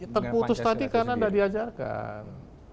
terputus tadi karena tidak diajarkan